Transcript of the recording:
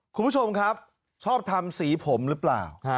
คุณผู้ชมครับชอบทำสีผมหรือเปล่า